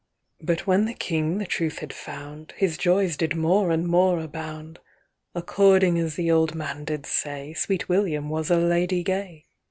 'XXVIBut when the King the truth had found, His joys did more and more abound:According as the old man did say, Sweet William was a lady gay.